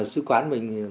sứ quán mình